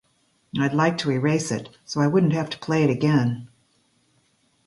I'd like to erase it, so I wouldn't have to play it again.